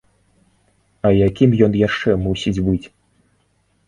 А якім ён яшчэ мусіць быць?!